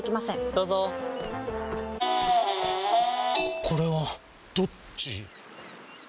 どうぞこれはどっち？